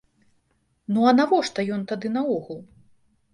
Ну а навошта ён тады наогул?